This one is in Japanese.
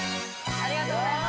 ありがとうございます。